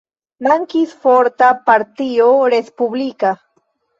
Mankis forta partio respublika.